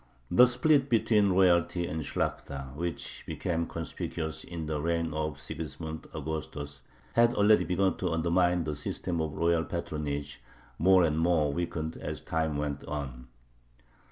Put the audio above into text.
The split between royalty and Shlakhta, which became conspicuous in the reign of Sigismund Augustus, had already begun to undermine the system of royal patronage, more and more weakened as time went on.